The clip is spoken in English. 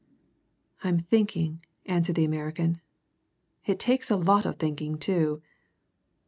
"I'm thinking," answered the American. "It takes a lot of thinking, too."